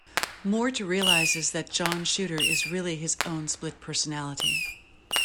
Mort realizes that John Shooter is really his own split personality.